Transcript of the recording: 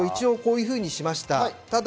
こういうふうにしました。